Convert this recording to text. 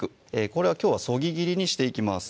これはきょうはそぎ切りにしていきます